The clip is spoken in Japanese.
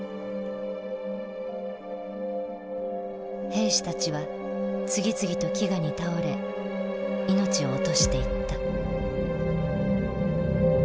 兵士たちは次々と飢餓に倒れ命を落としていった。